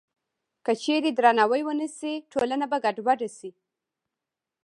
که چېرې درناوی ونه شي، ټولنه به ګډوډه شي.